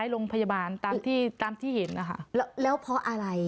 ลงพยาบาลตามที่เห็นนะคะแล้วเพราะอะไร